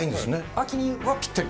秋にはぴったり。